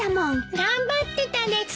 頑張ってたです。